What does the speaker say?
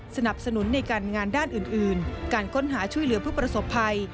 สนับสนุนในการงานด้านอื่นการค้นหาช่วยเหลือผู้ประสบภัย